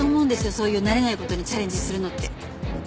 そういう慣れない事にチャレンジするのって。